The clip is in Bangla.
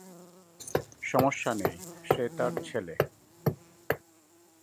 সমস্যা নেই, সে তার ছেলে।